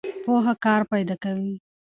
پوهه کار پیدا کوي.